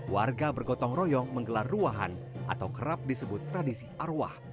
warga bergotong royong menggelar ruahan atau kerap disebut tradisi arwah